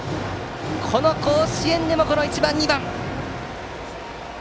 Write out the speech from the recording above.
この甲子園でもこの１番、２番！